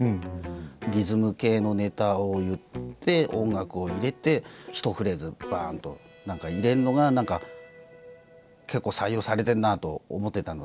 リズム系のネタを言って音楽を入れて１フレーズバンと何か入れるのが何か結構採用されてるなと思ってたので。